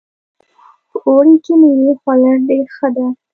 په اوړي کې میوې خوړل ډېر ښه ده